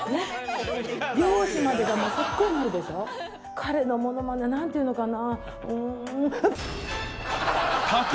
彼のものまねなんていうのかな。